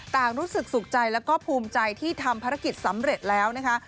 รู้สึกสุขใจแล้วก็ภูมิใจที่ทำภารกิจสำเร็จแล้วนะคะ